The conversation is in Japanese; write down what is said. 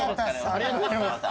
ありがとうございます。